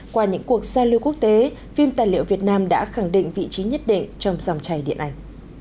qua những cuộc giao lưu quốc tế phim tài liệu việt nam đã khẳng định vị trí nhất định trong dòng chảy điện ảnh